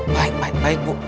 baik baik baik bu